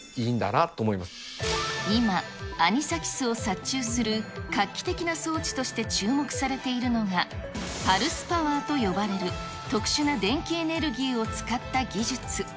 今、アニサキスを殺虫する画期的な装置として注目されているのが、パルスパワーと呼ばれる、特殊な電気エネルギーを使った技術。